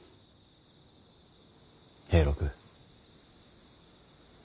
平六。